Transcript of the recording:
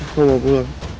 aku mau pulang